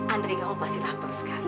andri gak mau pasti lapar sekali